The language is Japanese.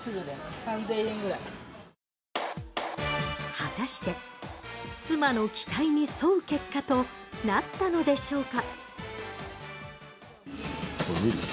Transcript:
果たして妻の期待に沿う結果となったのでしょうか？